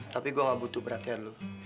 tapi gue gak butuh perhatian lo